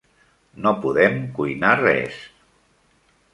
No podem cuinar res.